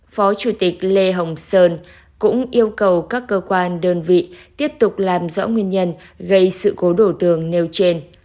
phó chủ tịch lê hồng sơn cũng yêu cầu các cơ quan đơn vị tiếp tục làm rõ nguyên nhân gây sự cố đổ tường nêu trên